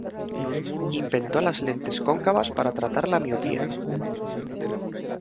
Inventó las lentes cóncavas para tratar la miopía.